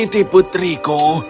aku tidak akan menyakiti putriku